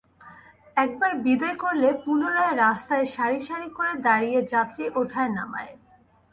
একবার বিদেয় করলে পুনরায় রাস্তায় সারি সারি করে দাঁড়িয়ে যাত্রী ওঠায়-নামায়।